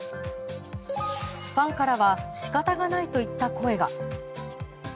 ファンからは仕方がないといった声が。